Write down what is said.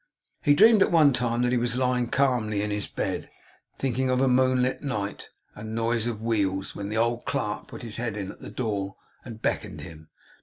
He dreamed at one time that he was lying calmly in his bed, thinking of a moonlight night and the noise of wheels, when the old clerk put his head in at the door, and beckoned him.